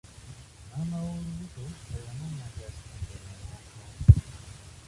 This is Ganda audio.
Maama w'olubuto teyamanya nti asitudde balongo.